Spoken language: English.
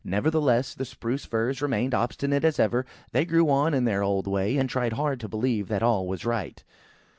Nevertheless, the Spruce firs remained obstinate as ever. They grew on in their old way, and tried hard to believe that all was right.